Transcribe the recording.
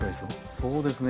そうですね。